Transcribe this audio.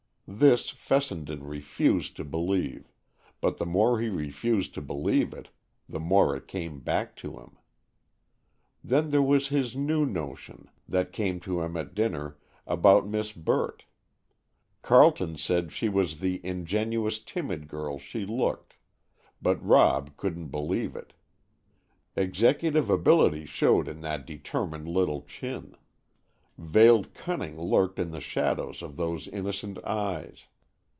This Fessenden refused to believe, but the more he refused to believe it, the more it came back to him. Then there was his new notion, that came to him at dinner, about Miss Burt. Carleton said she was the ingenuous, timid girl she looked, but Rob couldn't believe it. Executive ability showed in that determined little chin. Veiled cunning lurked in the shadows of those innocent eyes.